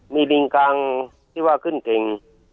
มีลิงกังที่ว่าขึ้นเก่ง